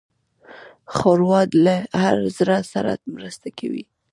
ښوروا له هر زړه سره مرسته کوي.